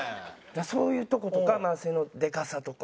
そういうとことか背のでかさとか。